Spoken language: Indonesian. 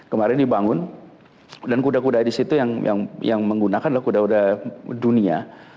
kemarin dibangun dan kuda kuda di situ yang menggunakan adalah kuda kuda dunia